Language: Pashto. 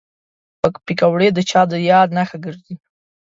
پکورې د چا د یاد نښه ګرځي